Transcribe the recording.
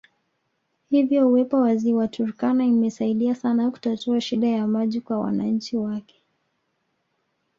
Hivyo uwepo wa Ziwa Turkana imesaidia sana kutatua shida ya maji kwa wananchi wake